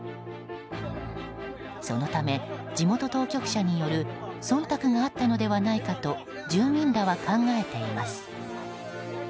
そのため、地元当局者による忖度があったのではないかと住民らは考えています。